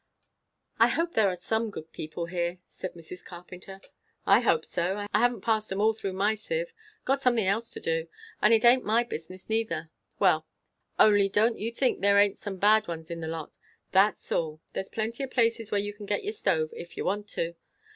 "I hope there are some good people here," said Mrs. Carpenter. "I hope so. I haven't passed 'em all through my sieve; got something else to do; and it aint my business neither. Well only don't you think there aint some bad ones in the lot, that's all. There's plenty of places where you can get your stove, if you want to.